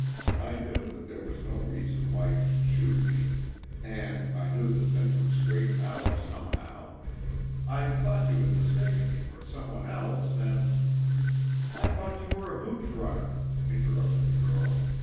I knew that there was no reason why you should shoot me. And I knew that things would straighten out, somehow. I thought you had mistaken me for someone else, and " "I thought you were a hooch runner," interrupted the girl.